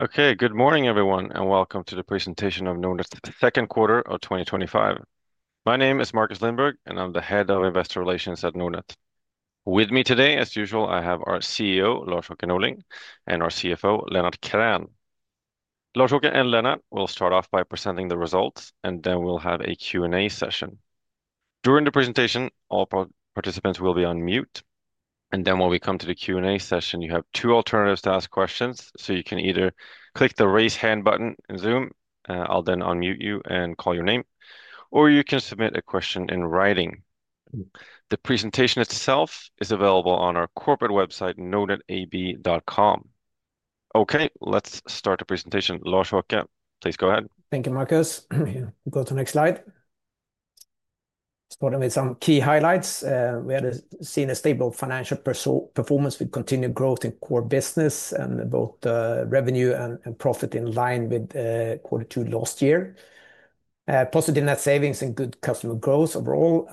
Okay. Good morning, everyone, and welcome to the presentation of Second Quarter of twenty twenty five. My name is Markus Lindbergh, and I'm the Head of Investor Relations at Nonet. With me today, as usual, I have our CEO, Lorchok Knolling and our CFO, Leonard Kerran. Lorchok and Leonard will start off by presenting the results, and then we'll have a Q and A session. During the presentation, all participants will be on mute. And then when we come to the q and a session, you have two alternatives to ask questions. So you can either click the raise hand button in Zoom. I'll then unmute you and call your name, or you can submit a question in writing. The presentation itself is available on our corporate website, nodetab.com. Okay. Let's start the presentation. Lars Hakke, please go ahead. Thank you, Markus. Go to next slide. Starting with some key highlights. We had seen a stable financial performance with continued growth in core business and both revenue and profit in line with quarter two last year. Positive net savings and good customer growth overall,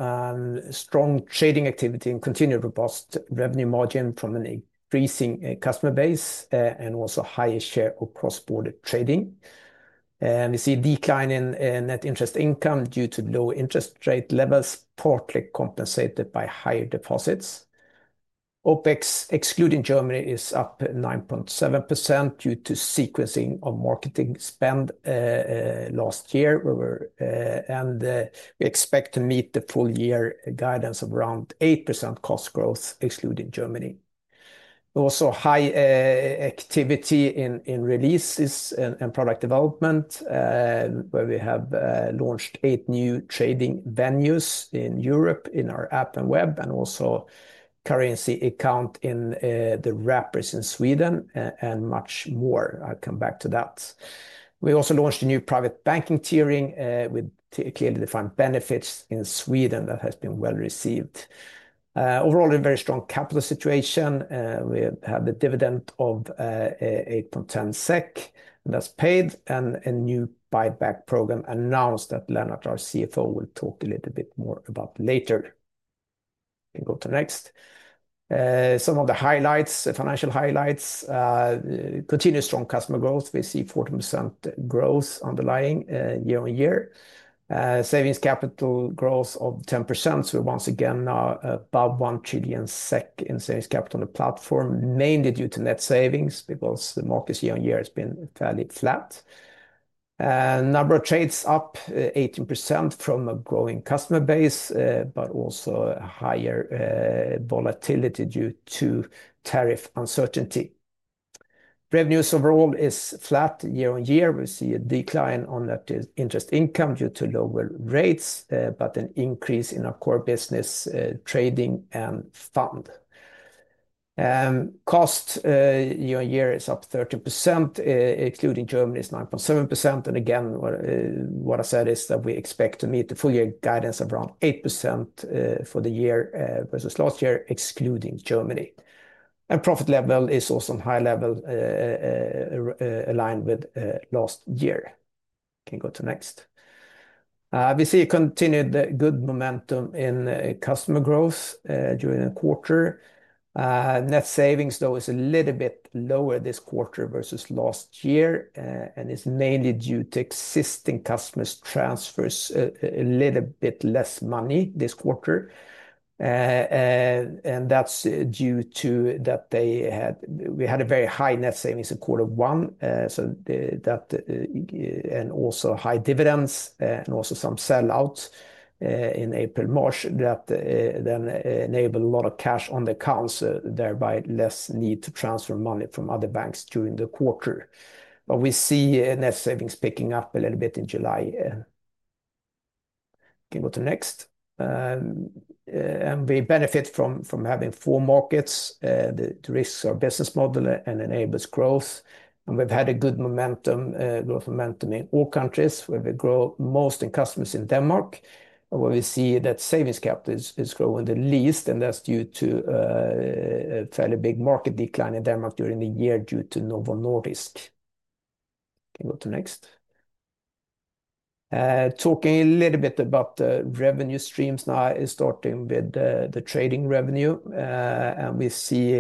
strong trading activity and continued robust revenue margin from an increasing customer base and also higher share of cross border trading. And we see a decline in net interest income due to low interest rate levels, partly compensated by higher deposits. OpEx, excluding Germany, is up 9.7% due to sequencing of marketing spend last year, where we're and we expect to meet the full year guidance of around 8% cost growth, excluding Germany. Also high activity in releases and and product development, where we have launched eight new trading venues in Europe in our app and web and also currency account in the wrappers in Sweden and much more. I'll come back to that. We also launched a new private banking tiering with clearly defined benefits in Sweden that has been well received. Overall, a very strong capital situation. We have the dividend of 8.1 that's paid, and a new buyback program announced that Leonard, our CFO, will talk a little bit more about later. We can go to next. Some of the highlights, financial highlights. Continued strong customer growth. We see 14% growth underlying year on year. Savings capital growth of 10%. So once again, above 1,000,000,000,000 SEK in sales capital on the platform, mainly due to net savings because the market's year on year has been fairly flat. Number of trades up 18% from a growing customer base, but also higher volatility due to tariff uncertainty. Revenues overall is flat year on year. We see a decline on net interest income due to lower rates, but an increase in our core business trading and fund. Costs year on year is up 13%, excluding Germany is 9.7%. And again, what I said is that we expect to meet the full year guidance of around 8% for the year versus last year, excluding Germany. And profit level is also on high level, aligned with last year. Can go to next. We see continued good momentum in customer growth during the quarter. Net savings, though, is a little bit lower this quarter versus last year, and it's mainly due to existing customers' transfers a little bit less money this quarter. And that's due to that they had we had a very high net savings in quarter one, so that and also high dividends and also some sellouts in April, March that then enabled a lot of cash on the accounts, thereby less need to transfer money from other banks during the quarter. But we see net savings picking up a little bit in July. Okay. Go to next. And we benefit from having four markets that derisks our business model and enables growth. And we've had a good momentum growth momentum in all countries where we grow most in customers in Denmark. Where we see that savings capital is growing the least, and that's due to fairly big market decline in Denmark during the year due to Novo Nordisk. Can we go to next? Talking a little bit about the revenue streams now, starting with the the trading revenue, and we see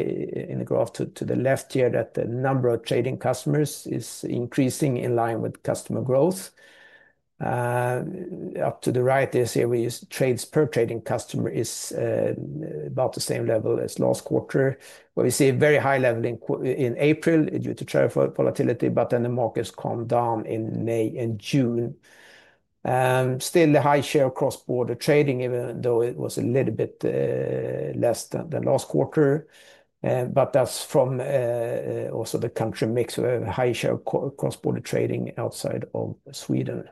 in the graph to to the left here that the number of trading customers is increasing in line with customer growth. Up to the right, see, we use trades per trading customer is about the same level as last quarter, where we see a very high level in April due to trade volatility, but then the markets calmed down in May and June. Still the high share cross border trading even though it was a little bit less than last quarter, but that's from also the country mix, high share cross border trading outside of Sweden.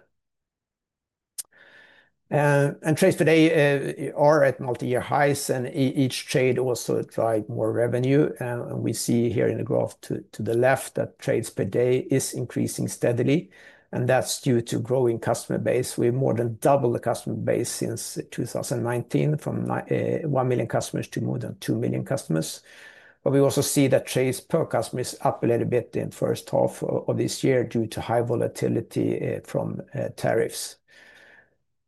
And trades today are at multiyear highs, and each trade also drive more revenue. And we see here in the graph to to the left that trades per day is increasing steadily, and that's due to growing customer base. We have more than doubled the customer base since 2019 from 1,000,000 customers to more than 2,000,000 customers. But we also see that trades per customer is up a little bit in first half of this year due to high volatility from tariffs.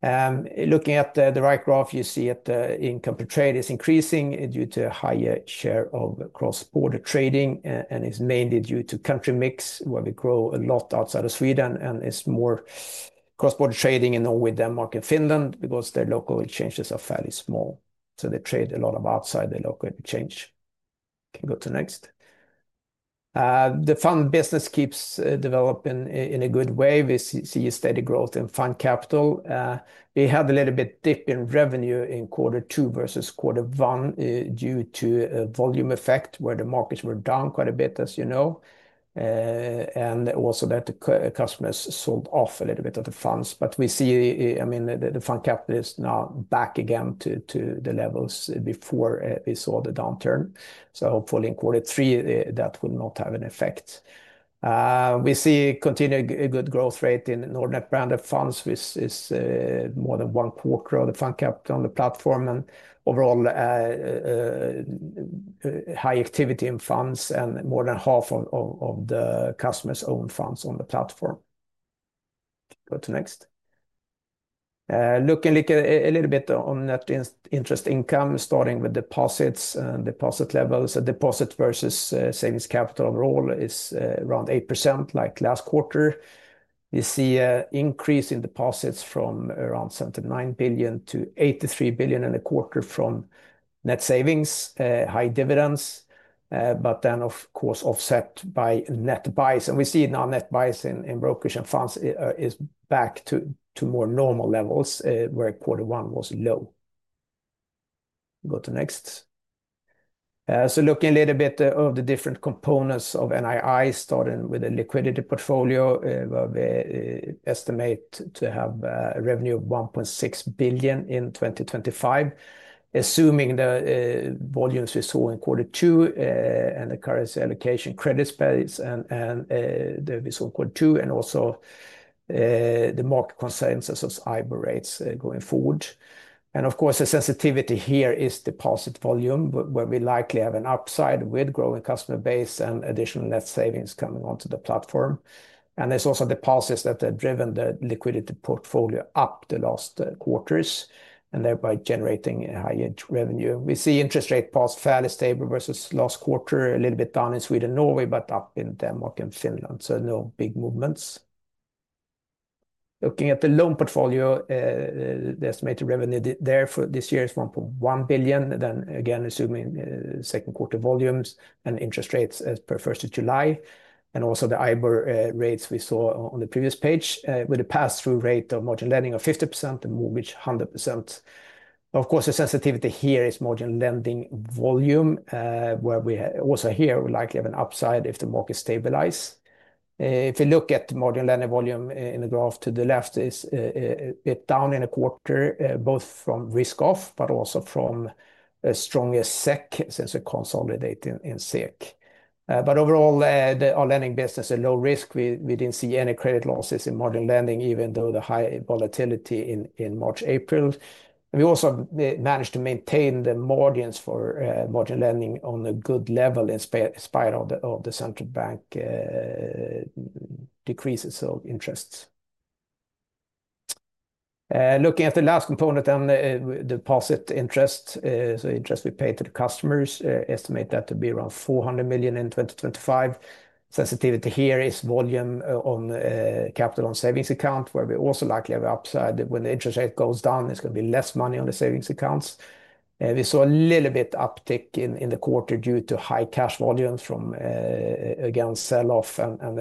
Looking at the right graph, you see that income per trade is increasing due to a higher share of cross border trading, and it's mainly due to country mix where we grow a lot outside of Sweden, and it's more cross border trading in Norway, Denmark and Finland because their local exchanges are fairly small. So they trade a lot of outside their local exchange. Can go to next. The fund business keeps developing in a good way. We see a steady growth in fund capital. We had a little bit dip in revenue in quarter two versus quarter one due to a volume effect where the markets were down quite a bit, as you know, and also that the customers sold off a little bit of the funds. But we see, I mean, the fund capital is now back again to to the levels before we saw the downturn. So, hopefully, in quarter three, that would not have an effect. We see continued good growth rate in the Nordnet branded funds, which is more than one quarter of the fund capital on the platform. And overall, activity in funds and more than half of of the customers' own funds on the platform. Go to next. Looking a little bit on net interest income, starting with deposits and deposit levels. So deposit versus savings capital overall is around 8% like last quarter. You see an increase in deposits from around 79,000,000,000 to 83,000,000,000 in a quarter from net savings, high dividends, but then, of course, offset by net buys. And we see now net buys in in brokerage and funds is back to to more normal levels where quarter one was low. Go to next. So looking a little bit of the different components of NII, starting with a liquidity portfolio, we estimate to have revenue of 1,600,000,000.0 in 2025. Assuming the volumes we saw in quarter two and the currency allocation credit spreads and the Aviso in quarter two and also the market consensus of IBOR rates going forward. And of course, the sensitivity here is deposit volume, where we likely have an upside with growing customer base and additional net savings coming onto the platform. And there's also deposits that have driven the liquidity portfolio up the last quarters and thereby generating a high end revenue. We see interest rate pass fairly stable versus last quarter, a little bit down in Sweden, Norway, but up in Denmark and Finland, so no big movements. Looking at the loan portfolio, the estimated revenue there for this year is 1,100,000,000.0, then again assuming second quarter volumes and interest rates as per July 1, and also the IBOR rates we saw on the previous page with a pass through rate of margin lending of 50% and mortgage 100%. Of course, the sensitivity here is margin lending volume, where we also here, we likely have an upside if the market stabilize. If you look at margin lending volume in the graph to the left, it's a bit down in a quarter, both from risk off, but also from a strongest SEK since we consolidate in SEK. But overall, our lending business at low risk, we didn't see any credit losses in margin lending even though the high volatility in March, April. We also managed to maintain the margins for margin lending on a good level in spite of central bank decreases of interest. Looking at the last component then, deposit interest, so interest we pay to the customers, estimate that to be around 400,000,000 in 2025. Sensitivity here is volume on capital on savings account, where we also likely When the interest rate goes down, there's going to be less money on the savings accounts. We saw a little bit uptick in the quarter due to high cash volumes from, again, sell off and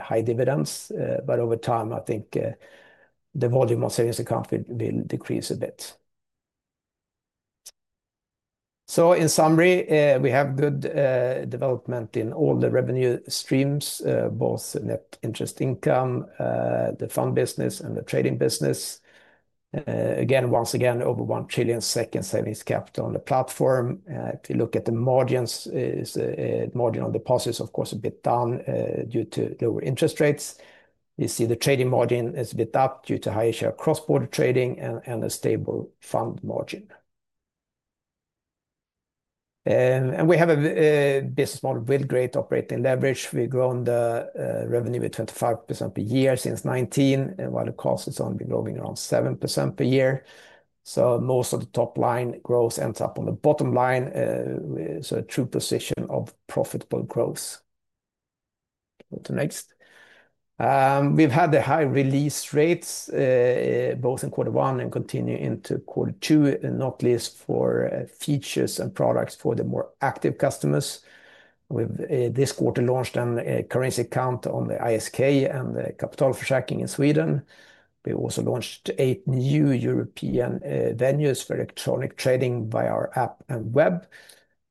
high dividends. But over time, I think the volume of savings account will decrease a bit. So in summary, we have good development in all the revenue streams, both net interest income, the fund business and the trading business. Again, once again, over one trillion second savings capital on the platform. If you look at the margins, it's margin on deposits, of course, a bit down due to lower interest rates. You see the trading margin is a bit up due to higher share cross border trading and a stable fund margin. We have a business model with great operating leverage. We've grown the revenue by 25% per year since '19, while the cost is only growing around 7% per year. So most of the top line growth ends up on the bottom line, so a true position of profitable growth. On to next. We've had the high release rates both in quarter one and continue into quarter two, not least for features and products for the more active customers. We've, this quarter, launched a currency count on the ISK and the capital for tracking in Sweden. We also launched eight new European venues for electronic trading via our app and web,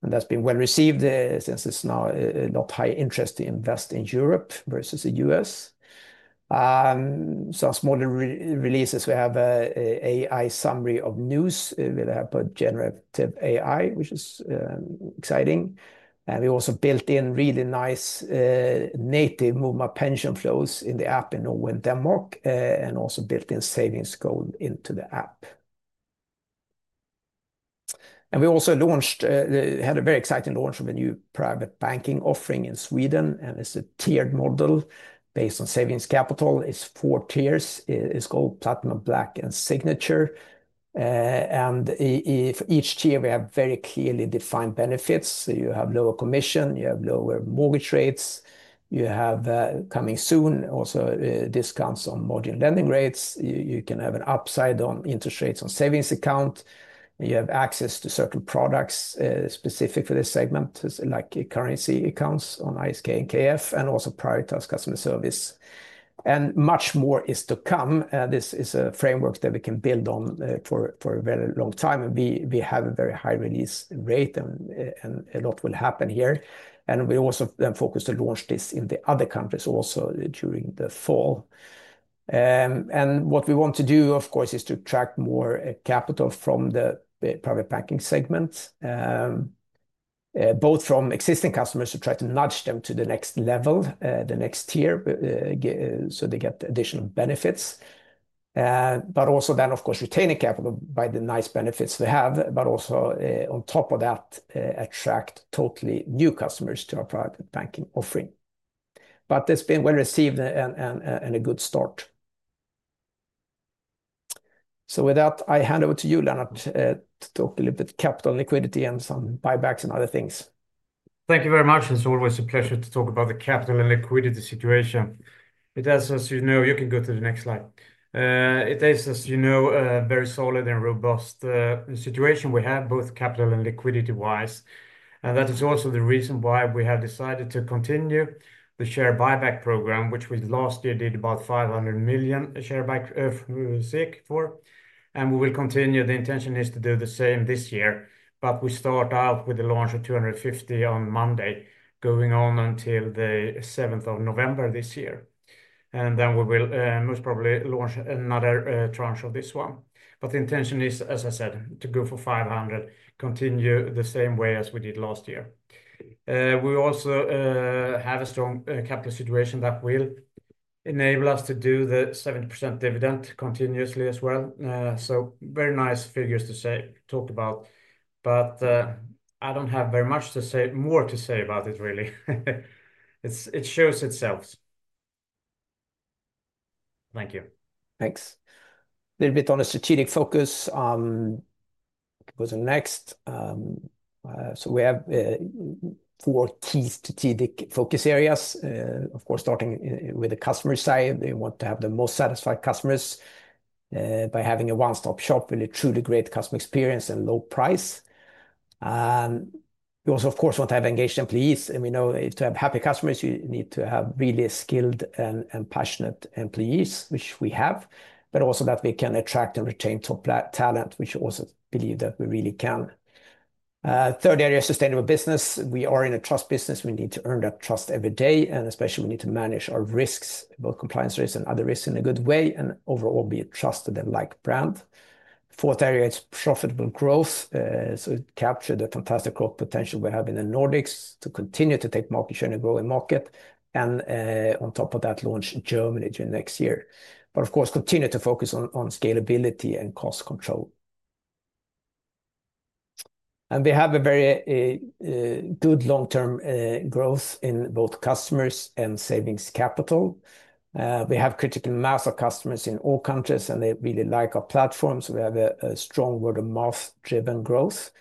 and that's been well received since it's now not high interest to invest in Europe versus The US. So smaller releases, have a AI summary of news. We have a generative AI, which is exciting. And we also built in really nice native Movement pension flows in the app in Norway and Denmark, and also built in savings code into the app. And we also launched had a very exciting launch of a new private banking offering in Sweden, and it's a tiered model based on savings capital. It's four tiers. It's called platinum, black, and signature. And if each tier, we have very clearly defined benefits, so you have lower commission, you have lower mortgage rates, you have, coming soon, also discounts on margin lending rates, you can have an upside on interest rates on savings account, you have access to certain products specific for this segment, like currency accounts on ISK and KF and also prioritize customer service. And much more is to come. This is a framework that we can build on for for a very long time, and we we have a very high release rate, and and a lot will happen here. And we also then focus to launch this in the other countries also during the fall. And what we want to do, of course, is to track more capital from the private banking segment, both from existing customers to try to nudge them to the next level, the next tier, so they get additional benefits. But also then, of course, retaining capital by the nice benefits they have, but also on top of that, attract totally new customers to our private banking offering. But it's been well received and a good start. So with that, I hand over to you, Lennar, to talk a little bit capital liquidity and some buybacks and other things. Thank you very much. It's always a pleasure to talk about the capital and liquidity situation. It is, as you know you can go to the next slide. It is, as you know, a very solid and robust situation we have, both capital and liquidity wise. And that is also the reason why we have decided to continue the share buyback program, which we last year did about 500,000,000 share back for, The intention is to do the same this year, but we start out with the launch of 250 on Monday going on until the November 7 this year. And then we will most probably launch another tranche of this one. But the intention is, as I said, to go for 500, continue the same way as we did last year. We also, had a strong capital situation that will enable us to do the 70% dividend continuously as well. So very nice figures to say talk about, but, I don't have very much to say more to say about it, really. It's it shows itself. Thank you. Thanks. A little bit on the strategic focus. What's the next? So we have four key strategic focus areas. Of course, starting with the customer side, they want to have the most satisfied customers by having a one stop shop with a truly great customer experience and low price. We also, of course, want to have engaged employees, and we know to have happy customers, you need to have really skilled and passionate employees, which we have, but also that we can attract and retain top talent, which we also believe that we really can. Third area is sustainable business. We are in a trust business. We need to earn that trust every day, and especially we need to manage our risks, both compliance risks and other risks in a good way and overall be a trusted and like brand. Fourth area, it's profitable growth, so it captured the fantastic growth potential we have in The Nordics to continue to take market share in a growing market, and on top of that, launch in Germany during next year. But, of course, continue to focus on on scalability and cost control. And we have a very good long term growth in both customers and savings capital. We have critical mass of customers in all countries, and they really like our platforms. We have a strong word-of-mouth driven growth.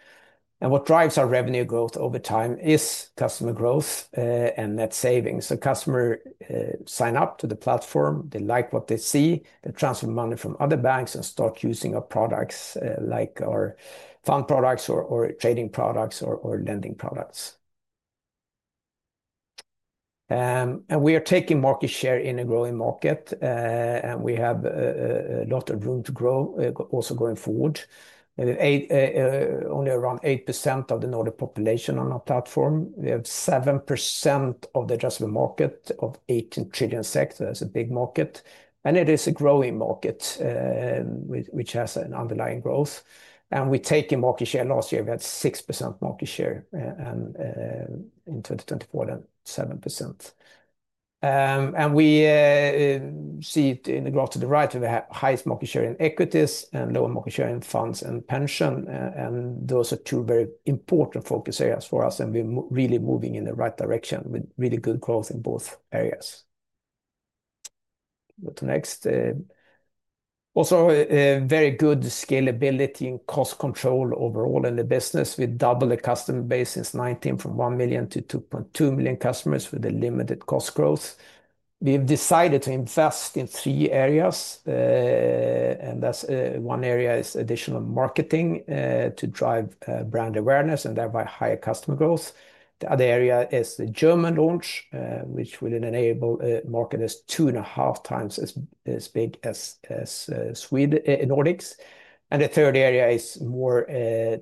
And what drives our revenue growth over time is customer growth and net savings. So customer sign up to the platform, they like what they see, they transfer money from other banks and start using our products like our fund products or or trading products or or lending products. And we are taking market share in a growing market, and we have a lot of room to grow also going forward. Only around 8% of the Nordic population on our platform. We have 7% of the addressable market of 18,000,000,000,000 sectors, a big market. And it is a growing market, which has an underlying growth. And we've taken market share last year, we had 6% market share in 2024, 7%. And we see it in the graph to the right, we have highest market share in equities and lower market share in funds and pension, those are two very important focus areas for us, and we're really moving in the right direction with really good growth in both areas. Go to next. Also, very good scalability and cost control overall in the business. We doubled the customer base since '19 from 1,000,000 to 2,200,000 customers with a limited cost growth. We have decided to invest in three areas, and that's one area is additional marketing to drive brand awareness and thereby higher customer growth. The other area is the German launch, which would enable a market as two and a half times as as big as as Swede Nordics. And the third area is more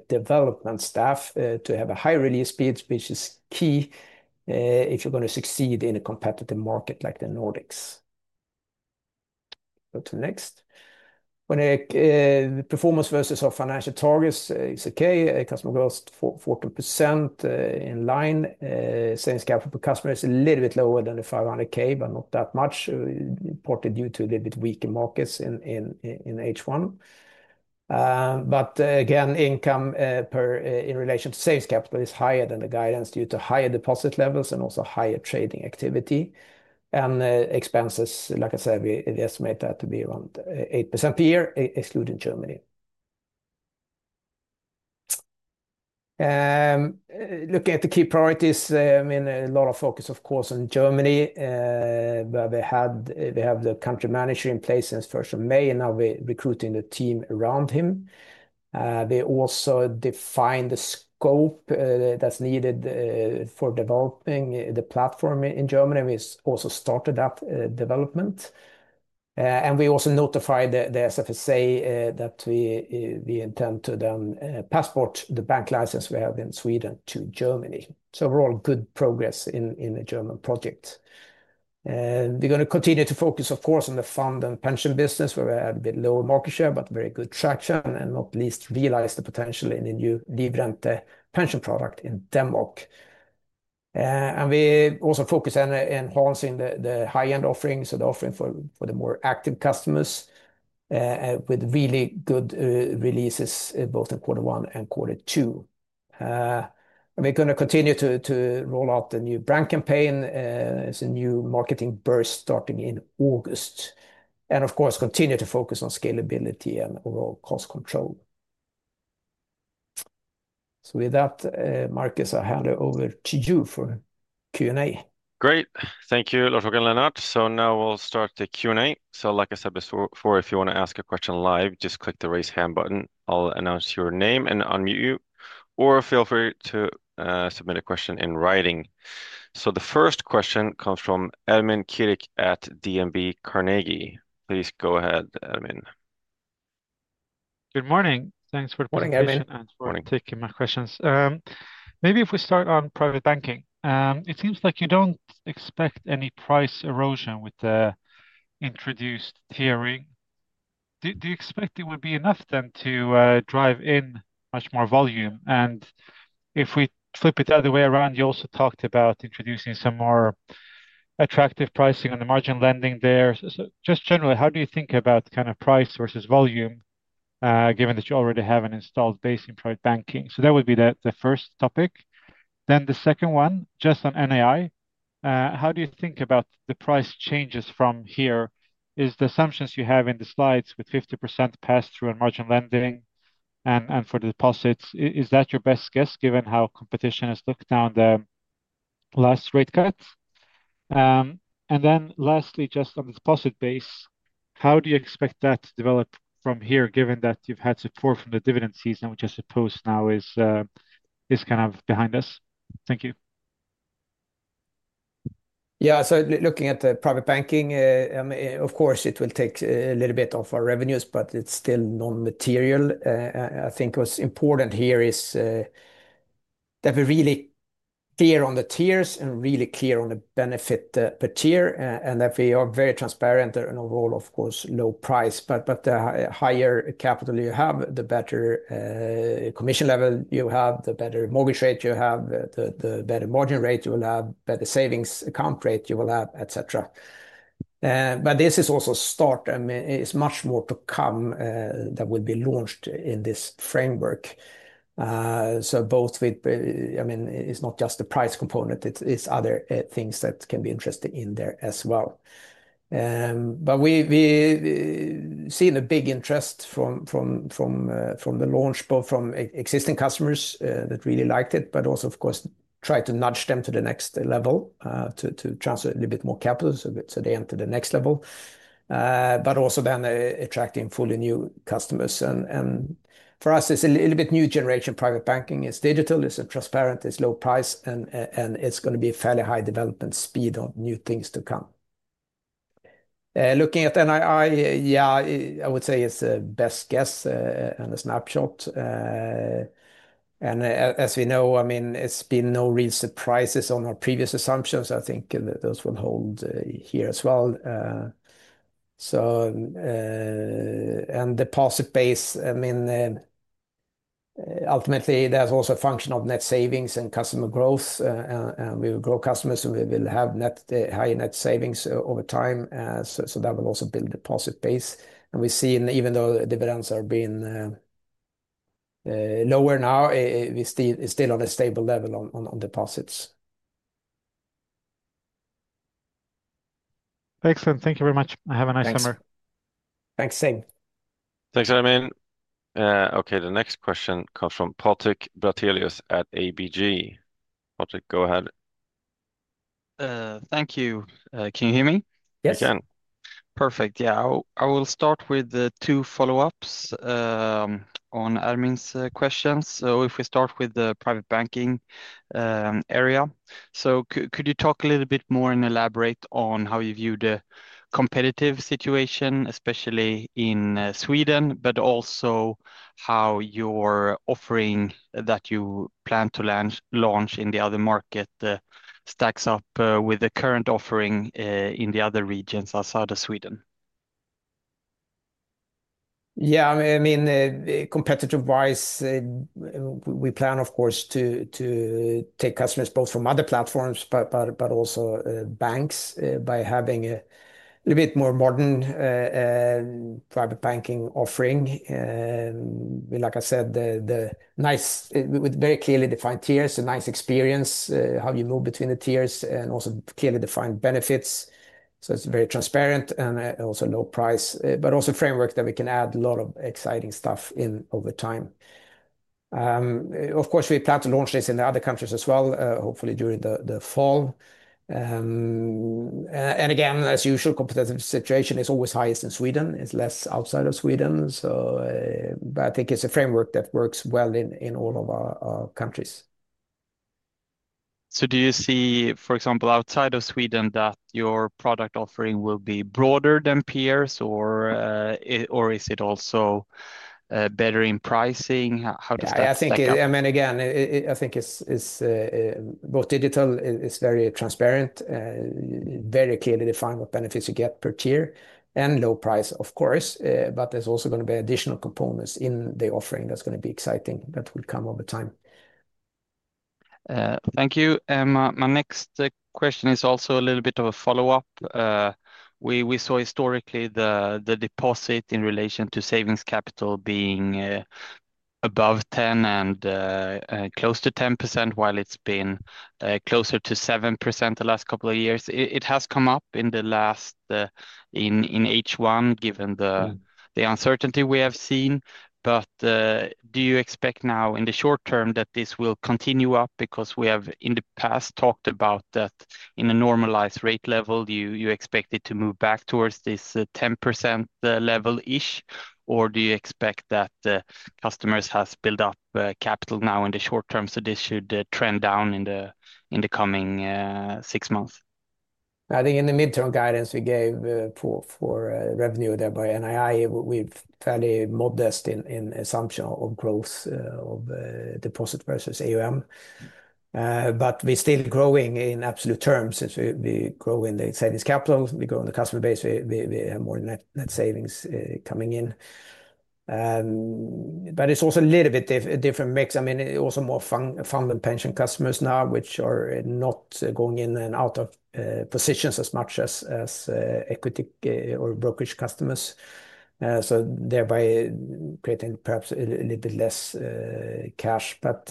development staff to have a high release speeds, which is key if you're going to succeed in a competitive market like The Nordics. Go to next. When performance versus our financial targets, it's okay. Customer growth is 14% in line. Sales capital per customer is a little bit lower than the $500,000 but not that much, partly due to a little bit weaker markets in H1. But again, income per in relation to sales capital is higher than the guidance due to higher deposit levels and also higher trading activity. And expenses, like I said, we estimate that to be around 8% per year, excluding Germany. Looking at the key priorities, I mean, a lot of focus, of course, on Germany, where they had they have the country manager in place since May 1, and now we're recruiting the team around him. They also define the scope that's needed for developing the platform in Germany, and we also started that development. And we also notified the the SFSA that we we intend to then passport the bank license we have in Sweden to Germany. So overall, good progress in in the German project. And we're going to continue to focus, of course, on the fund and pension business where we had a bit lower market share, but very good traction and not least realized the potential in the new dividend pension product in Denmark. And we also focus on enhancing the high end offerings and offering for the more active customers with really good releases both in quarter one and quarter two. And we're gonna continue to to roll out the new brand campaign. It's a new marketing burst starting in August. And, And, of course, continue to focus on scalability and overall cost control. So with that, Markus, I hand it over to you for q and a. Great. Thank you, Lofgren Lennart. So now we'll start the q and a. So like I said before, if you want to ask a question live, just click the raise hand button. I'll announce your name and unmute you or feel free to submit a question in writing. So the first question comes from Edmund Kirik at D and B Carnegie. Please go ahead, Elman. Good morning. Thanks for taking my questions. Maybe if we start on private banking. It seems like you don't expect any price erosion with the introduced tiering. Do do you expect it would be enough then to drive in much more volume? And if we flip it the other way around, you also talked about introducing some more attractive pricing on the margin lending there. So just generally, how do you think about kind of price versus volume given that you already have an installed base in private banking? So that would be the the first topic. Then the second one, just on NII, how do you think about the price changes from here? Is the assumptions you have in the slides with 50% pass through on margin lending and and for the deposits, is that your best guess given how competition has looked down the last rate cut? And then lastly, just on the deposit base, how do you expect that to develop from here given that you've had support from the dividend season, which I suppose now is is kind of behind us? Thank you. Yeah. So looking at the private banking, of course, it will take a little bit of our revenues, but it's still nonmaterial. I think what's important here is that we're really clear on the tiers and really clear on the benefit per tier and that we are very transparent and overall, of course, low price. But the higher capital you have, the better commission level you have, the better mortgage rate you have, the better margin rate you will have, better savings account rate you will have, etcetera. But this is also start. I mean, it's much more to come that would be launched in this framework. So both with I mean, it's not just the price component, it's it's other things that can be interested in there as well. But we we seen a big interest from from from from the launch, both from existing customers that really liked it, but also, of course, try to nudge them to the next level to to transfer a little bit more capital so that so they enter the next level. But also then attracting fully new customers. And and for us, it's a little bit new generation private banking. It's digital. It's transparent. It's low price, and and it's gonna be a fairly high development speed of new things to come. Looking at NII, yeah, I would say it's a best guess and a snapshot. And as we know, I mean, it's been no real surprises on our previous assumptions. I think those will hold here as well. So and deposit base, I mean, ultimately, that's also a function of net savings and customer growth. And we will grow customers, and we will have high net savings over time. So that will also build deposit base. And we've seen even though dividends are being lower now, it's on a stable level on deposits. Excellent. Thank you very much. Have a nice Thanks. Same. Thanks, Armin. Okay. The next question comes from Potik Berthelius at ABG. Potik, go ahead. Thank you. Can you hear me? Yes. I can. Perfect. Yeah. I will start with the two follow ups, on admin's questions. So if we start with the private banking, area. So could you talk a little bit more and elaborate on how you view the competitive situation, especially in Sweden, but also how your offering that you plan to launch launch in the other market stacks up with the current offering in the other regions outside of Sweden? Yeah. I mean I mean, the the competitive wise, we plan, of course, to to take customers both from other platforms, but but but also banks by having a little bit more modern private banking offering. Like I said, the the nice with very clearly defined tiers, a nice experience, how you move between the tiers and also clearly defined benefits. So it's very transparent and also low price, but also framework that we can add a lot of exciting stuff in over time. Of course, we plan to launch this in the other countries as well, hopefully, during the the fall. And again, as usual, competitive situation is always highest in Sweden. It's less outside of Sweden. So but I think it's a framework that works well in in all of our our countries. So do you see, for example, outside of Sweden that your product offering will be broader than peers, or or is it also better in pricing? How does that affect I mean, again, I think it's it's both digital is very transparent, very clearly defined what benefits you get per tier and low price, of course, but there's also gonna be additional components in the offering that's gonna be exciting that will come over time. Thank you, Emma. My next question is also a little bit of a follow-up. We saw historically the deposit in relation to savings capital being above 10% and close to 10%, while it's it's been closer to 7% the last couple of years. It has come up in the last in H1 given the uncertainty we have seen. But do you expect now in the short term that this will continue up? Because we have, in the past, talked about that in a normalized rate level, you expect it to move back towards this 10% level ish? Or do you expect that customers has built up capital now in the short term, so this should trend down coming six months? I think in the midterm guidance we gave for revenue thereby NII, we've fairly modest in assumption of growth of deposit versus AUM. But we're still growing in absolute terms. We grow in the savings capital. We grow in the customer base. Have more net savings coming in. But it's also a little bit different mix. I mean, also more funded pension customers now, which are not going in and out of positions as much as equity or brokerage customers. So thereby creating perhaps a little bit less cash. But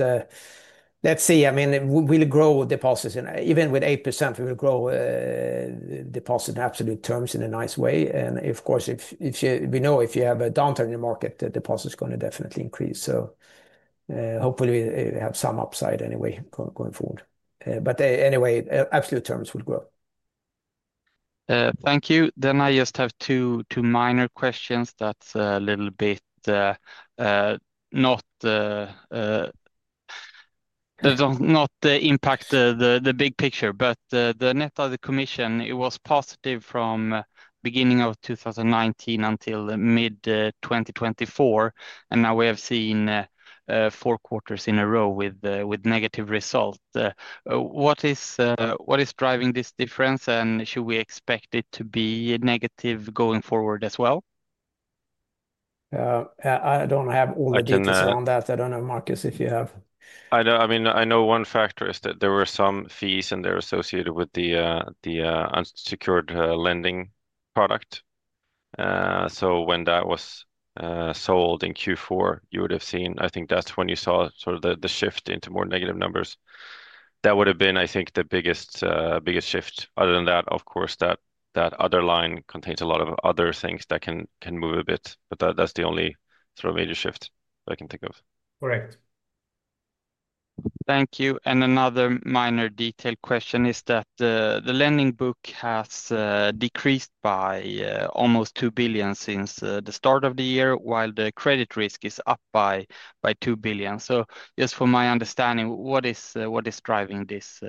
let's see. I mean, we'll grow deposits. And even with 8%, we will grow deposit in absolute terms in a nice way. And, of course, if if you we know if you have a downturn in your market, the deposit is gonna definitely increase. So hopefully, we have some upside anyway going forward. But, anyway, absolute terms would grow. Thank you. Then I just have two two minor questions that's a little bit not not impact the the big picture. But the net of the commission, it was positive from 2019 until mid twenty twenty four, and now we have seen four quarters in a row with negative result. What is driving this difference? And should we expect it to be negative going forward as well? I don't have all the details on that. I don't know, Markus, if you have. I know. I mean, I know one factor is that there were some fees in there associated with the the unsecured lending product. So when that was sold in q four, you would have seen I think that's when you saw sort of the the shift into more negative numbers. That would have been, I think, the biggest biggest shift. Other than that, of course, that that other line contains a lot of other things that can move a bit. But that's the only sort of major shift I can think of. Correct. Thank you. And another minor detailed question is that the lending book has decreased by almost 2,000,000,000 since the start of the year, while the credit risk is up by 2,000,000,000. So just for my understanding, what is driving this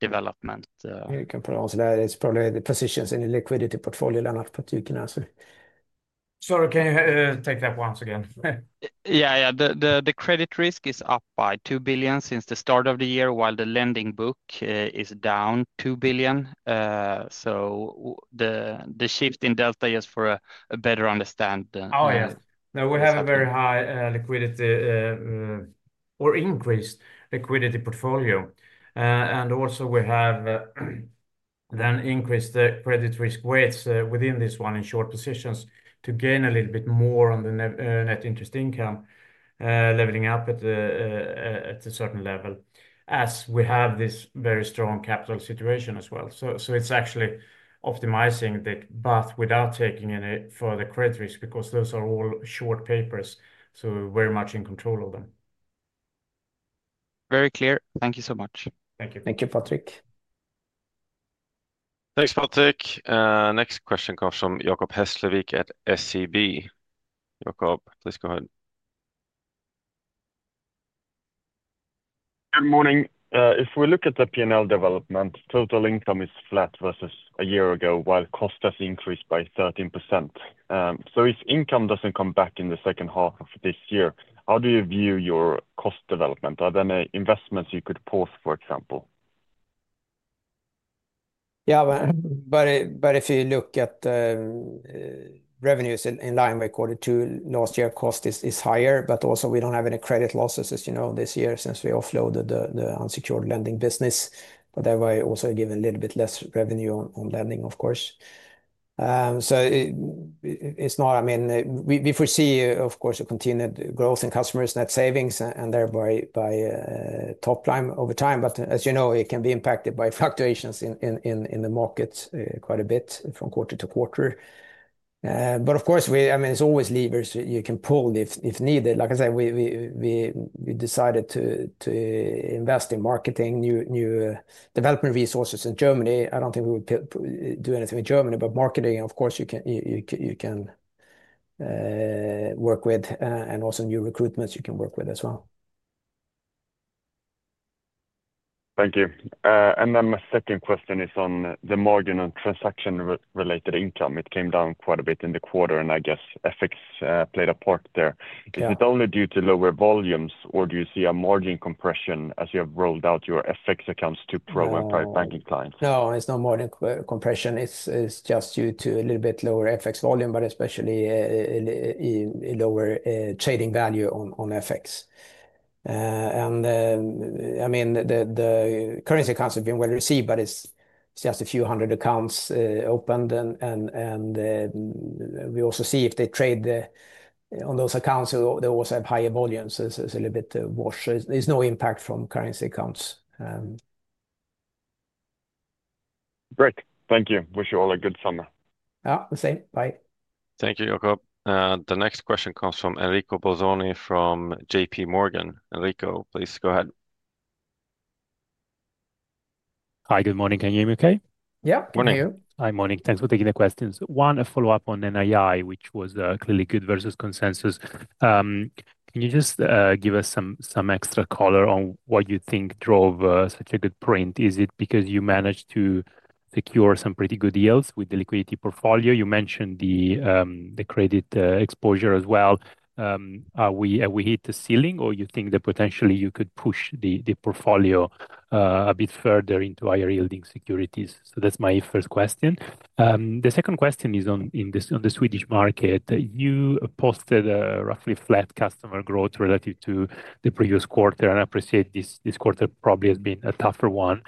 development? You can pronounce that. It's probably the positions in the liquidity portfolio, Landmark, but you can answer. Sure. Can you take that once again? Yeah. Yeah. The the the credit risk is up by 2,000,000,000 since the start of the year, while the lending book is down 2,000,000,000. So the the shift in delta, yes, for a better understand Oh, yes. No. We have a very high liquidity or increased liquidity portfolio. And, also, we have then increased the credit risk weights within this one in short positions to gain a little bit more on the net net interest income, leveling up at a at a certain level as we have this very strong capital situation as well. So so it's actually optimizing the path without taking any further credit risk because those are all short papers, so we're very much in control of them. Very clear. Thank you so much. Thank you. Thank you, Patrick. Thanks, Patrick. Next question comes from Jakob Hestlevik at SEB. Jakob, please go ahead. Good morning. If we look at the P and L development, total income is flat versus a year ago, while cost has increased by 13%. So if income doesn't come back in the second half of this year, how do you view your cost development? Are there any investments you could pause, for example? Yes. But if you look at revenues in line with quarter two, last year cost is higher, but also we don't have any credit losses, as you know, this year since we offloaded the unsecured lending business. But that way, also given a little bit less revenue on lending, of course. So it's not I mean, we foresee, of course, a continued growth in customers' net savings and thereby by top line over time. But as you know, it can be impacted by fluctuations in in in the markets quite a bit from quarter to quarter. But, of course, we I mean, there's always levers that you can pull if if needed. Like I said, we we we decided to to invest in marketing new new development resources in Germany. I don't think we would do anything in Germany, but marketing, of course, you can you you can work with and also new recruitments you can work with as well. Thank you. And then my second question is on the margin on transaction related income. It came down quite a bit in the quarter, and I guess FX played a part there. Is it only due to lower volumes? Or do you see a margin compression as you have rolled out your FX accounts to pro and private banking clients? No, it's not margin compression. It's just due to a little bit lower FX volume, but especially a lower trading value on FX. And then, I mean, the the currency accounts have been well received, but it's just a few 100 accounts opened, and and and we also see if they trade on those accounts. Also have higher volumes. So it's it's a little bit wash. There's no impact from currency accounts. Great. Thank you. Wish you all a good summer. The same. Bye. Thank you, Jakob. The next question comes from Elrico Bozzoni from JPMorgan. Elrico, please go ahead. Hi, good morning. Can you hear me okay? Yeah. Morning. Monik. Thanks for taking the questions. One, a follow-up on NII, which was clearly good versus consensus. Can you just give us some extra color on what you think drove such a good print? Is it because you managed to secure some pretty good deals with the liquidity portfolio? You mentioned the credit exposure as well. We hit the ceiling or you think that potentially you could push the portfolio a bit further into higher yielding securities? So that's my first question. The second question is on the Swedish market. You posted roughly flat customer growth relative to the previous quarter. And I appreciate this quarter probably has been a tougher one.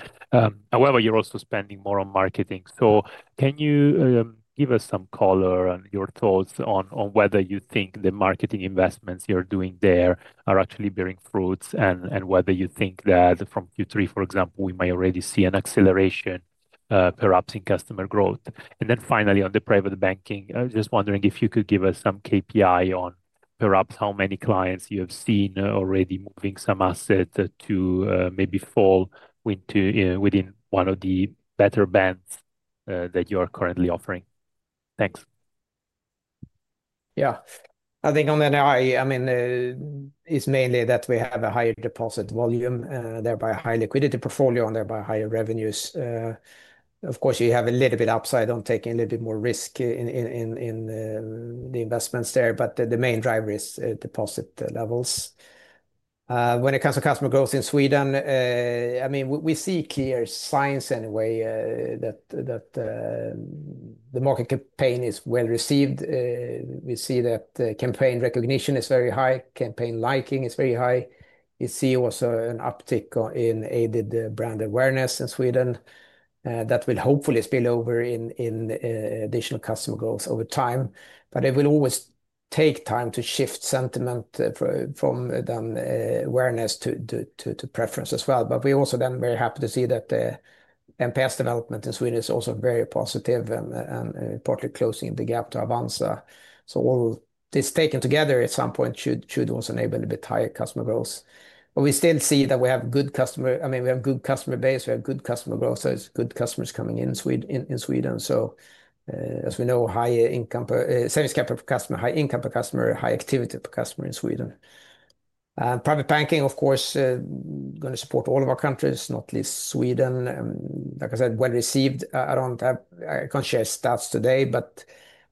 However, you're also spending more on marketing. So can you give us some color and your thoughts on whether you think the marketing investments you're doing there are actually bearing fruits? And whether you think that from Q3, for example, we may already see an acceleration perhaps in customer growth? And then finally, the Private Banking, I was just wondering if you could give us some KPI on perhaps how many clients you have seen already moving some asset to maybe fall within one of the better bands that you are currently offering? Thanks. Yeah. I think on NII, I mean, it's mainly that we have a higher deposit volume, thereby, a high liquidity portfolio and thereby, higher revenues. Of course, you have a little bit upside on taking a little bit more risk in in in the investments there, but the main driver is deposit levels. When it comes to customer growth in Sweden, I mean, we see clear signs anyway that that the market campaign is well received. We see that campaign recognition is very high. Campaign liking is very high. We see also an uptick in aided brand awareness in Sweden that will hopefully spill over in in additional customer growth over time. But it will always take time to shift sentiment for from awareness to to to to preference as well. But we also then very happy to see that MPS development in Sweden is also very positive and and partly closing the gap to Avanse. So all this taken together at some point should should also enable a bit higher customer growth. But we still see that we have good customer I mean, we have good customer base. We have good customer growth. There's good customers coming in in Sweden. So as we know, higher income per service capital per customer, high income per customer, high activity per customer in Sweden. Private banking, of course, gonna support all of our countries, not least Sweden. Like I said, well received. I don't have I can't share stats today, but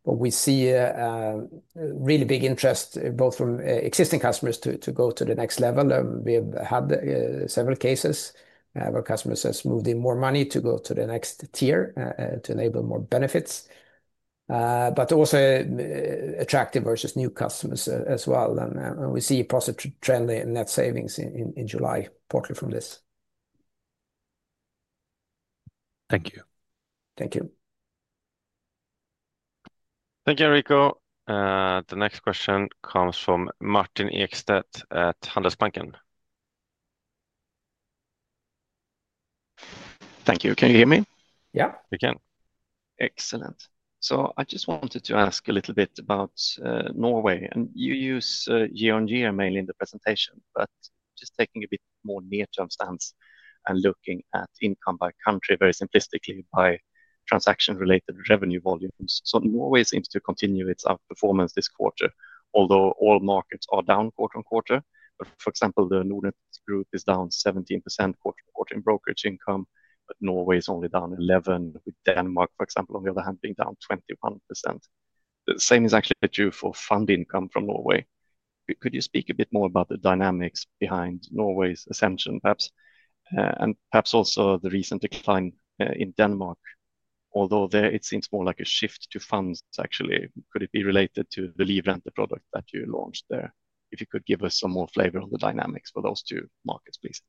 we see a really big interest both from existing customers to to go to the next level. We have had several cases where customers have smoothed in more money to go to the next tier to enable more benefits, but also attractive versus new customers as well. And we see positive trend in net savings in July partly from this. Thank you. Thank you. Thank you, Enrico. The next question comes from Martin Eckstadt at Handelsbanken. Thank you. Can you hear me? Yeah. We can. Excellent. So I just wanted to ask a little bit about Norway. And you use g o g mainly in the presentation, but just taking a bit more near term stance and looking at income by country very simplistically by transaction related revenue volumes. So Norway seems to continue its outperformance this quarter, although all markets are down quarter on quarter. For example, the Nordics group is down 17% quarter on quarter in brokerage income, but Norway is only down 11%, with Denmark, for example, on the other hand, being down 21%. The same is actually the true for fund income from Norway. Could you speak a bit more about the dynamics behind Norway's assumption perhaps? And perhaps also the recent decline in Denmark, although there, it seems more like a shift to funds actually. Could it be related to the Livent, the product that you launched there? If you could give us some more flavor of the dynamics for those two markets, please.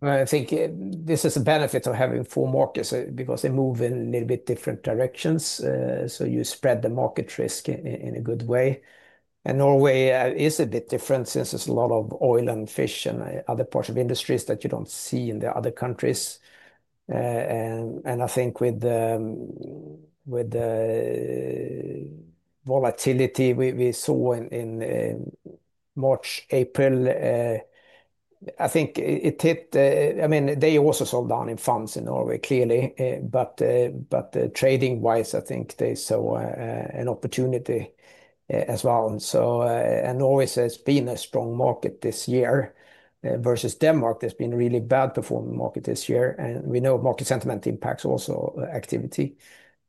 I think this is a benefit of having four markets because they move in a little bit different directions, so you spread the market risk in a good way. And Norway is a bit different since there's a lot of oil and fish and other parts of industries that you don't see in the other countries. And and I think with the with the volatility we we saw in in March, April, I think it hit I mean, they also sold down in funds in Norway, clearly. But but trading wise, I think they saw an opportunity as well. And so and Norway has been a strong market this year versus Denmark. There's been a really bad performing market this year, and we know market sentiment impacts also activity.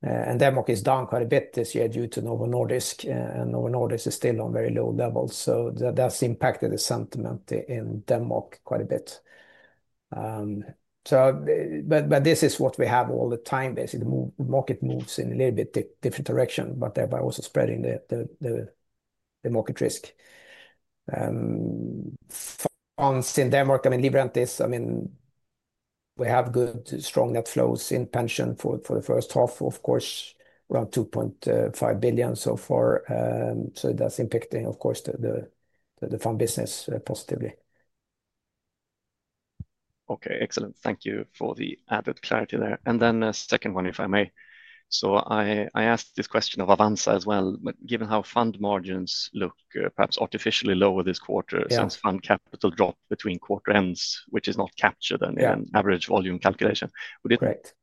And Denmark is down quite a bit this year due to Novo Nordisk, and Novo Nordisk is still on very low levels. So that's impacted the sentiment in Denmark quite a bit. So but this is what we have all the time. Basically, the market moves in a little bit different direction, but thereby also spreading the the the the market risk. On Sandemark, I mean, Libriant is, I mean, we have good strong net flows in pension for for the first half, of course, around 2,500,000,000.0 so far. So that's impacting, of course, the fund business positively. Okay. Excellent. Thank you for the added clarity there. And then a second one, if I may. So I asked this question of Avance as well. Given how fund margins look perhaps artificially lower this quarter since fund capital dropped between quarter ends, which is not captured in an average volume calculation, would it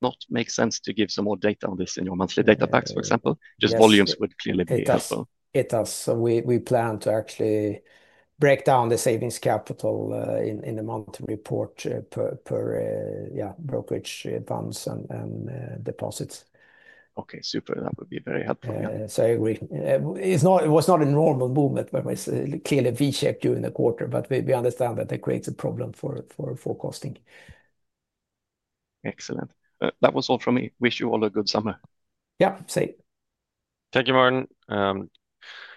not make sense to give some more data on this in your monthly data packs, for example? Just volumes would clearly be helpful. It does. So we we plan to actually break down the savings capital in in the month report per per, yeah, brokerage funds and deposits. Okay. Super. That would be very helpful. Yes. So I agree. It's not it was not a normal movement, but it's clearly V shaped during the quarter, but we understand that that creates a problem for forecasting. Excellent. That was all from me. Wish you all a good summer. Yep. Same. Thank you, Martin.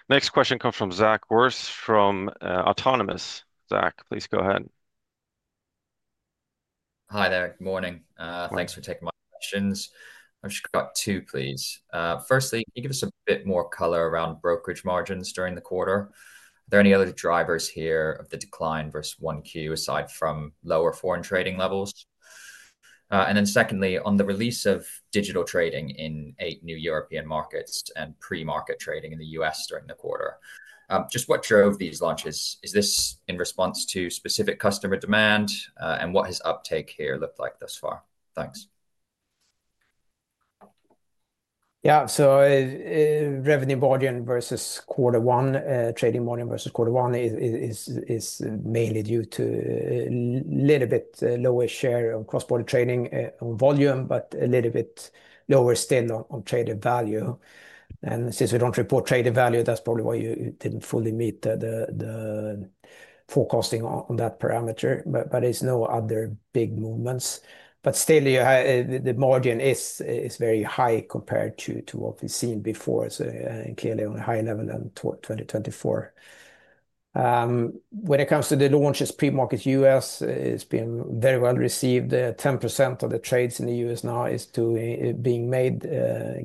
Next question comes from Zach Wirth from Autonomous. Zach, please go ahead. Hi there. Good morning. Thanks for taking my questions. I've just got two, please. Firstly, can you give us a bit more color around brokerage margins during the quarter? Are there any other drivers here of the decline versus 1Q aside from lower foreign trading levels? And then secondly, on the release of digital trading in eight new European markets and pre market trading in The U. S. During the quarter, just what drove these launches? Is this in response to specific customer demand? And what has uptake here looked like thus far? Yes. So revenue margin versus quarter one trading volume versus quarter one is mainly due to little bit lower share of cross border trading volume, but a little bit lower still on traded value. And since we don't report traded value, that's probably why you didn't fully meet the the forecasting on that parameter, but but there's no other big movements. But still, the the margin is is very high compared to to what we've seen before. So, clearly, on a high level than 2024. When it comes to the launches premarket U. S, it's been very well received. 10% of the trades in The U. S. Now is to being made,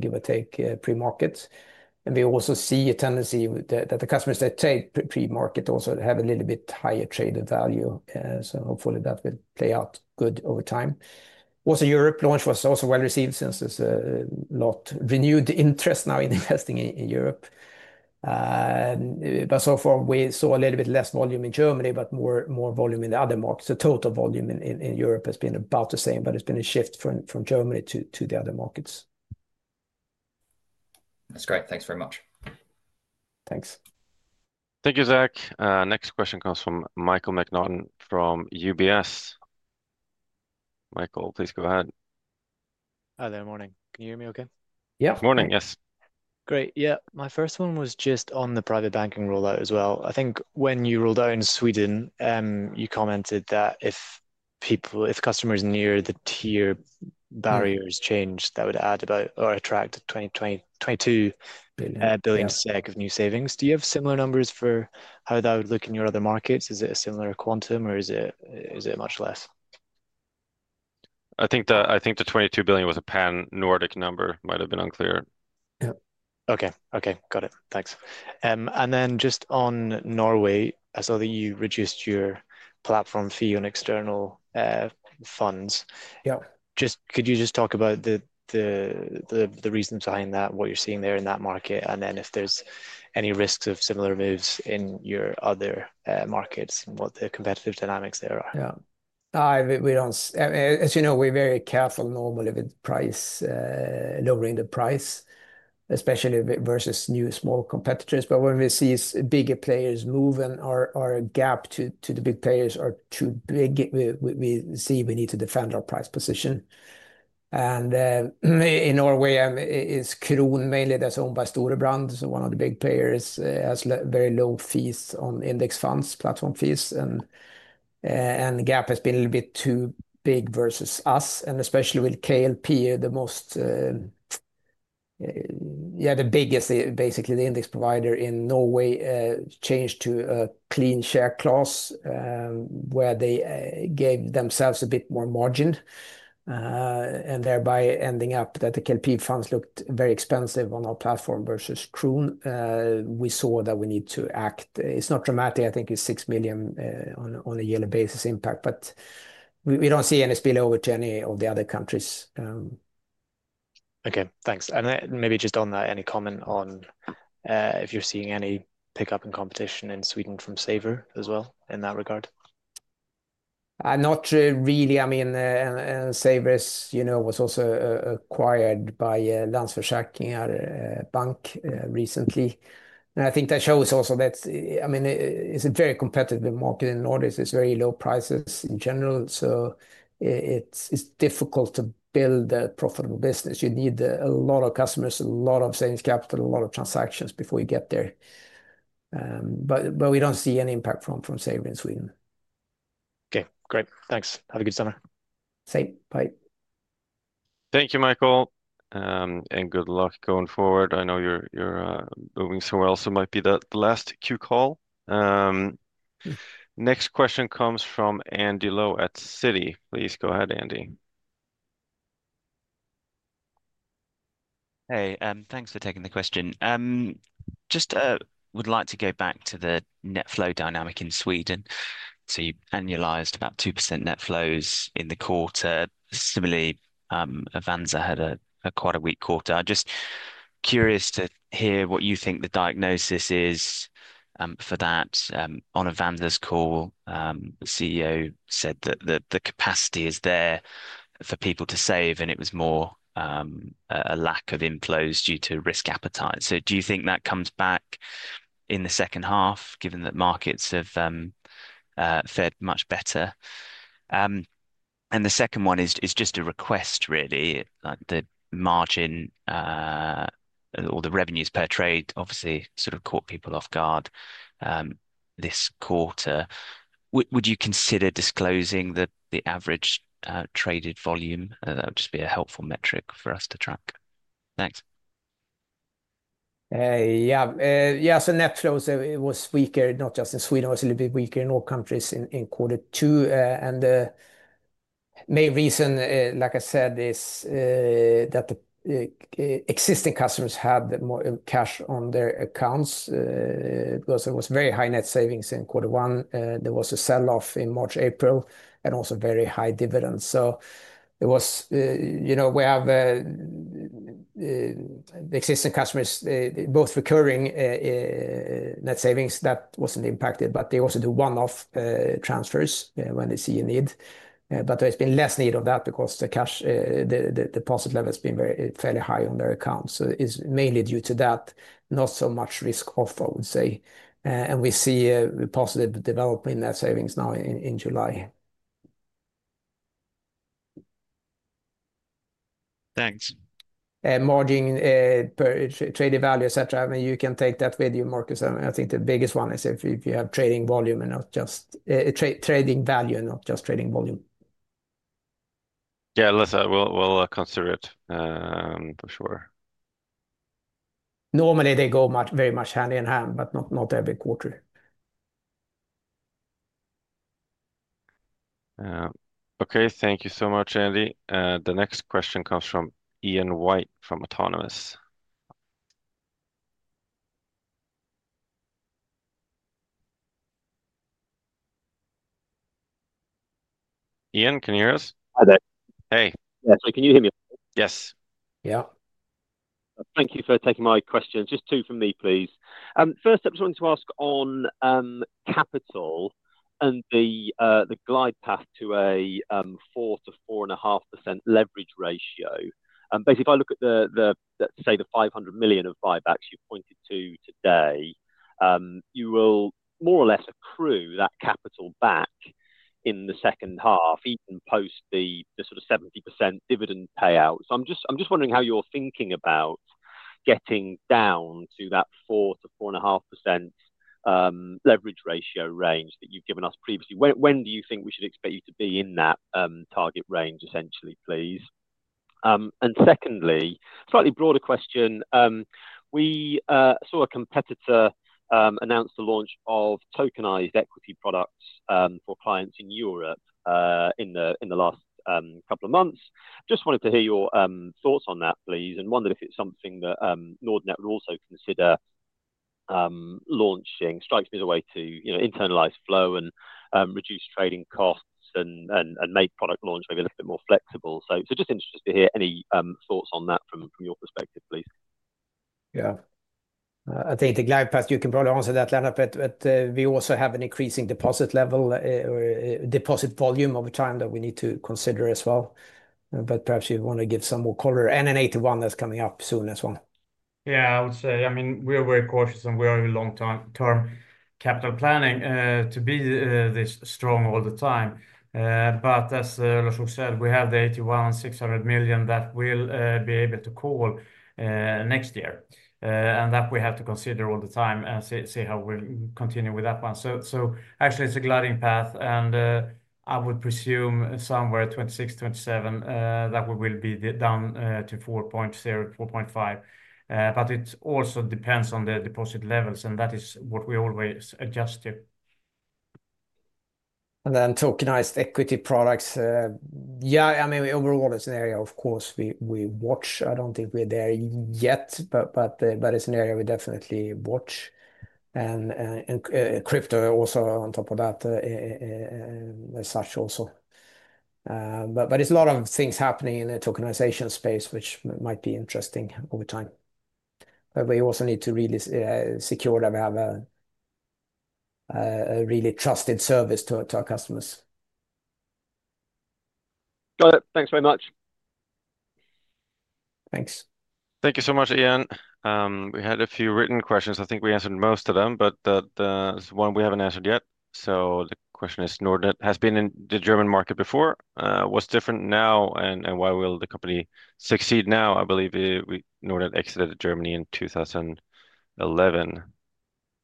give or take, premarket. And we also see a tendency that the customers that take premarket also have a little bit higher traded value. So hopefully, that will play out good over time. Also Europe launch was also well received since there's a lot renewed interest now in investing in Europe. But so far, we saw a little bit less volume in Germany, but more more volume in the other markets. So total volume in in in Europe has been about the same, but it's been a shift from from Germany to to the other markets. That's great. Thanks very much. Thanks. Thank you, Zach. Next question comes from Michael McNaughton from UBS. Michael, please go ahead. Hi there. Morning. Can you hear me okay? Yep. Morning. Yes. Great. Yeah. My first one was just on the private banking rollout as well. I think when you rolled out in Sweden, you commented that if people if customers near the tier barriers change, that would add about or attract $20.20 22,000,000,000 billion stack of new savings. Do you have similar numbers for how that would look in your other markets? Is it a similar quantum, or is it is it much less? I think the I think the 22,000,000,000 was a pan Nordic number. Might have been unclear. Yep. Okay. Okay. Got it. Thanks. Then just on Norway, I saw that you reduced your platform fee on external funds. Yep. Just could you just talk about the the the reason behind that, what you're seeing there in that market, and then if there's any risks of similar moves in your other markets and what the competitive dynamics there are? Yeah. I we don't as you know, we're very careful normally with price lowering the price, especially a bit versus new small competitors. But when we see bigger players move and our our gap to to the big players We we we see we need to defend our price position. And in Norway, it's mainly that's owned by Storebrand. So one of the big players has very low fees on index funds, platform fees, and the gap has been a little bit too big versus us. And especially with KLP, the most yeah. The biggest, basically, the index provider in Norway changed to a clean share clause where they gave themselves a bit more margin and thereby ending up that the KNP funds looked very expensive on our platform versus Kruhn. We saw that we need to act. It's not dramatic. I think it's 6,000,000 on a on a yearly basis impact, but we we don't see any spillover to any of the other countries. Okay. Thanks. And then maybe just on that, any comment on if you're seeing any pickup in competition in Sweden from Sabre as well in that regard? Not really. I mean, Sabre, you know, was also acquired by Landsver Shark in our bank recently. I think that shows also that I mean, it's a very competitive market in Nordics. It's very low prices in general, so it's it's difficult to build a profitable business. You need a lot of customers, a lot of sales capital, a lot of transactions before you get there. But but we don't see any impact from from saving in Sweden. K. Great. Thanks. Have a good summer. Same. Bye. Thank you, Michael, and good luck going forward. I know you're you're moving so well, so it might be the the last queue call. Next question comes from Andy Lowe at Citi. Please go ahead, Andy. Hey, thanks for taking the question. Just would like to go back to the net flow dynamic in Sweden. So you annualized about 2% net flows in the quarter. Similarly, Avanda had a quite a weak quarter. Just curious to hear what you think the diagnosis is for that. On a Vanders call, the CEO said that the capacity is there for people to save and it was more a lack of inflows due to risk appetite. So do you think that comes back in the second half given that markets have fared much better? And the second one is just a request really, like the margin or the revenues per trade, obviously, sort of caught people off guard this quarter. Would you consider disclosing the average traded volume? That would just be a helpful metric for us to track. Yeah. Yeah. So net flows, it was weaker, not just in Sweden. Was a little bit weaker in all countries in in quarter two. And the main reason, like I said, is that existing customers have more cash on their accounts because it was very high net savings in quarter one. There was a sell off in March, April and also very high dividends. So it was we have existing customers, both recurring net savings that wasn't impacted, but they also do one off transfers when they see a need. But there's been less need of that because the cash the deposit level has been very fairly high on their accounts. So it's mainly due to that not so much risk off, I would say. And we see a positive development in that savings now in July. Thanks. Margin per traded value, etcetera. I mean, you can take that with you, Markus. I mean, I think the biggest one is if if have trading volume and not just trading value and not just trading volume. Yeah. Alyssa, we'll we'll consider it for sure. Normally, they go much very much hand in hand, but not not every quarter. Okay. Thank you so much, Andy. The next question comes from Ian White from Autonomous. Ian, can you hear us? Hi there. Hey. Yeah. Sorry. Can you hear me? Yes. Yeah. Thank you for taking my questions. Just two for me, please. First, I just wanted to ask on capital and the glide path to a 4% to 4.5% leverage ratio. Basically, if I look at the, let's say, 500,000,000 of buybacks you pointed to today, you will more or less accrue that capital back in the second half, even post the sort of 70% dividend payout. So I'm just wondering how you're thinking about getting down to that 4% to 4.5% leverage ratio range that you've given us previously? When do you think we should expect you to be in that target range essentially, please? And secondly, slightly broader question. We saw a competitor announce the launch of tokenized equity products for clients in Europe in the last couple of months. Just wanted to hear your thoughts on that, please, and wondered if it's something that Nordnet would also consider launching, strikes me the way to internalize flow and reduce trading costs and and make product launch maybe a little bit more flexible. So so just interested to hear any thoughts on that from from your perspective, please. Yeah. I think the glide path, you can probably answer that, Lena, but we also have an increasing deposit level or deposit volume over time that we need to consider as well. But perhaps you want to give some more color and an 81 that's coming up soon as well. Yeah. I would say I mean, we are very cautious, and we are in long term term capital planning to be this strong all the time. But as Roshu said, we have the $81,600,000,000 that we'll be able to call next year, and that we have to consider all the time and see see how we'll continue with that one. So so, actually, it's a gliding path, and I would presume somewhere '26, 27 that we will be down to four point zero, 4.5. But it also depends on the deposit levels, and that is what we always adjust to. And then tokenized equity products. Yeah. I mean, overall, it's an area, of course, we we watch. I don't think we're there yet, but but but it's an area we definitely watch. And and and crypto also on top of that and such also. But but there's a lot of things happening in the tokenization space, which might be interesting over time. But we also need to really secure that we have a really trusted service to to our customers. Got it. Thanks very much. Thanks. Thank you so much, Ian. We had a few written questions. I think we answered most of them, but that's one we haven't answered yet. So the question is Nordet has been in the German market before. What's different now, and and why will the company succeed now? I believe we Nordet exited Germany in 02/2011.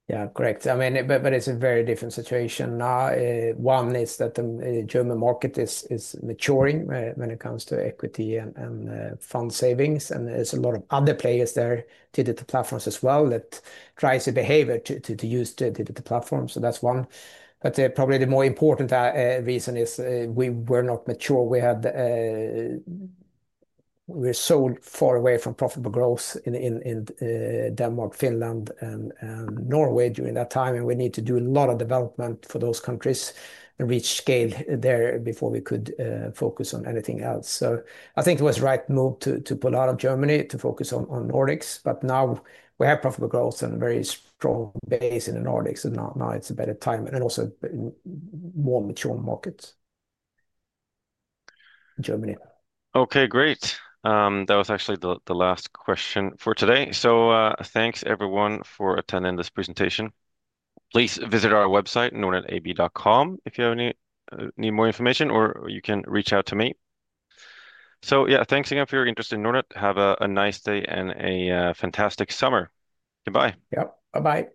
Yeah. Correct. I mean but but it's a very different situation now. One is that the German market is is maturing when it comes to equity and and fund savings, and there's a lot of other players there to do the platforms as well that tries to behave to to to use the the the platforms. So that's one. But probably the more important reason is we were not mature. We had we're so far away from profitable growth in in in Denmark, Finland, and and Norway during that time, and we need to do a lot of development for those countries and reach scale there before we could focus on anything else. So I think it was right move to to pull out of Germany to focus on on Nordics, but now we have profitable growth and very strong base in The Nordics, and now now it's a better time and also more mature markets in Germany. Okay. Great. That was actually the the last question for today. So thanks everyone for attending this presentation. Please visit our website, nordantab.com if you have any need more information, or you can reach out to me. So, yeah, thanks again for your interest in Nordant. Have a a nice day and a fantastic summer. Goodbye. Yep. Bye bye.